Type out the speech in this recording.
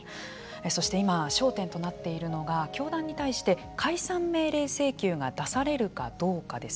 そして、今焦点となっているのが教団に対して解散命令請求が出されるかどうかです。